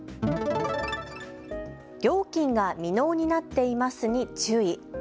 料金が未納になっていますに注意。